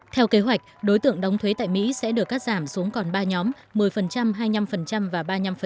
theo kế hoạch đối tượng đóng thuế tại mỹ sẽ được cắt giảm xuống còn ba nhóm một mươi hai mươi năm và ba mươi năm